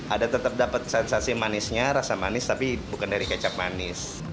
ada tetap dapat sensasi manisnya rasa manis tapi bukan dari kecap manis